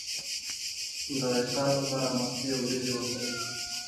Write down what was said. د اسهال لپاره مستې او وریجې وخورئ